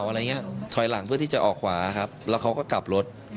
อะไรอย่างนี้ถอยหลังเพื่อที่จะออกขวาครับแล้วเขาก็กลับรถ